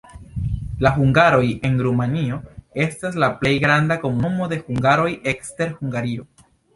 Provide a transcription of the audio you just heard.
La hungaroj en Rumanio estas la plej granda komunumo de hungaroj ekster Hungario.